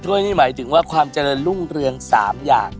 นี่หมายถึงว่าความเจริญรุ่งเรือง๓อย่าง